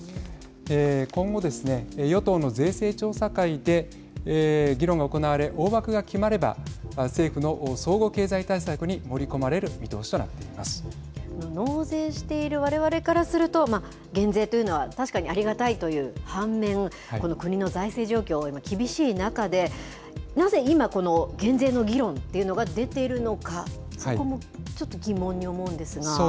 今後、与党の税制調査会で議論が行われ、大枠が決まれば政府の総合経済対策に盛り込まれる見通し納税しているわれわれからすると減税というのは確かにありがたいという反面国の財政状況、今厳しい中でなぜ今、この減税の議論というのが出ているのかそこも、ちょっと疑問に思うんですが。